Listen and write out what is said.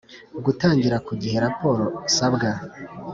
gutangira ku gihe raporo nsabwa